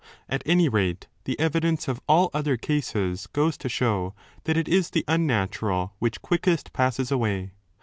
At any rate the evidence of all other cases goes to show that it is the unnatural which quickest passes away.